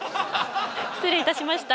失礼いたしました。